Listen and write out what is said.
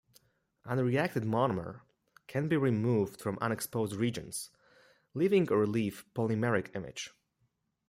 Unreacted monomer can be removed from unexposed regions, leaving a relief polymeric image.